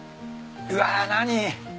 うわ何？